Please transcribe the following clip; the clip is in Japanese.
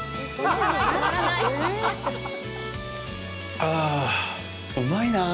ああ、うまいなあ。